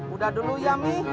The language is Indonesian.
udah dulu ya mi